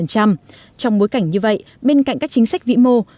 trong bối cảnh như vậy bên cạnh các chính sách vĩ mô